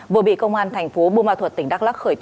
vừa bị công an thành phố bùa ma thuật tỉnh đắk lắc khởi tố